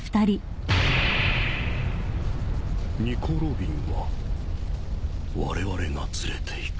ニコ・ロビンはわれわれが連れていく。